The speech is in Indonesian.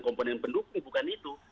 komponen pendukung bukan itu